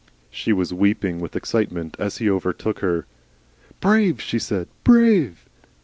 She was weeping with excitement as he overtook her. "Brave," she said, "brave!"